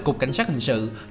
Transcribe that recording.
cục cảnh sát hình thức